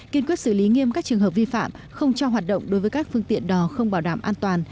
kiên quyết xử lý nghiêm các trường hợp vi phạm không cho hoạt động đối với các phương tiện đò không bảo đảm an toàn